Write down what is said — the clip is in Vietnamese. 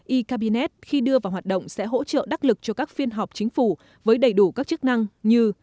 e cabinet khi đưa vào hoạt động sẽ hỗ trợ đắc lực cho các phiên họp chính phủ với đầy đủ các chức năng như